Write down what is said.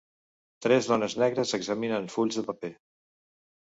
Tres dones negres examinen fulls de paper.